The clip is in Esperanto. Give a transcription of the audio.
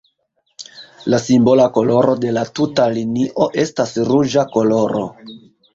La simbola koloro de la tuta linio estas ruĝa koloro.